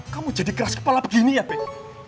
kamu jadi keras kepala begini ya bek